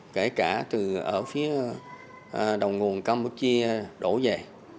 kể cả từ ở phía đầu nguồn campuchia đổ về